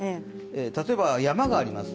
例えば山があります